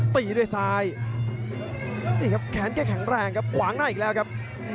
ตีด้วยซ้ายนี่ครับแขนแกแข็งแรงครับขวางหน้าอีกแล้วครับ